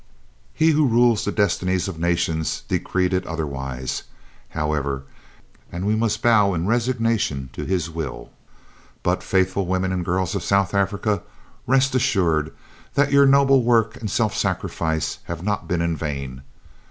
"He who rules the destinies of nations decreed it otherwise, however, and we must bow in resignation to His will, but, faithful women and girls of South Africa, rest assured that your noble work and self sacrifice have not been in vain.